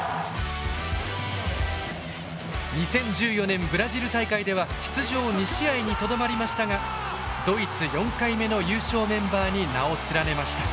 ２０１４年ブラジル大会では出場２試合にとどまりましたがドイツ４回目の優勝メンバーに名を連ねました。